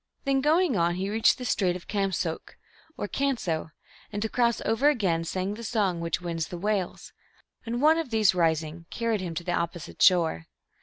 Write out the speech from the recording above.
Then, going on, he reached the Strait of Cam soke 1 (M.), or Canso, and to cross over again sang the song which wins the whales, and one of these ris ing, carried him to the opposite shore.